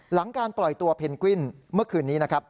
หลังการปล่อยตัวเพนกวินเมื่อคืนนี้นะครับ